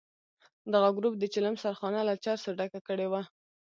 دغه ګروپ د چلم سرخانه له چرسو ډکه کړې وه.